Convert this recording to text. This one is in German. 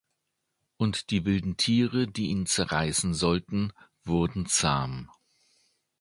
Und die wilden Tiere, die ihn zerreißen sollten, wurden zahm.